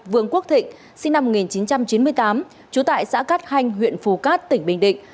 vương quốc thịnh sinh năm một nghìn chín trăm chín mươi tám trú tại xã cát hanh huyện phù cát tỉnh bình định